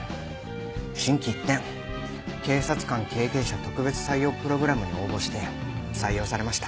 心機一転警察官経験者特別採用プログラムに応募して採用されました。